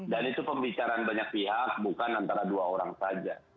dan itu pembicaraan banyak pihak bukan antara dua orang saja